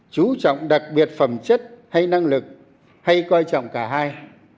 chú trọng đặc biệt phẩm chất hay năng lực hay coi trọng cả hai